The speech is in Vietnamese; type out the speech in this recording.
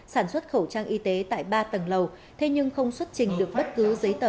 sản xuất khẩu trang y tế tại ba tầng lầu thế nhưng không xuất trình được bất cứ giấy tờ